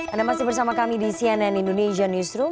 anda masih bersama kami di cnn indonesia newsroom